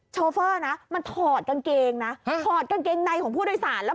โฟเฟอร์นะมันถอดกางเกงนะถอดกางเกงในของผู้โดยสารแล้ว